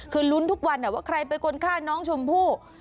คือลุ้นทุกวันว่าใครเป็นคนฆ่าน้องชมพู่